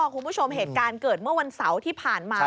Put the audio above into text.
คุณผู้ชมเหตุการณ์เกิดเมื่อวันเสาร์ที่ผ่านมา